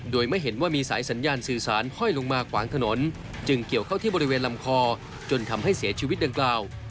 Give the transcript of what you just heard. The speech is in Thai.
โดยไม่เห็นว่ามีสายสัญญาณสื่อสารห้อยลงมาขวางถนนจึงเกี่ยวเข้าที่บริเวณลำคอจนทำให้เสียชีวิตดังกล่าว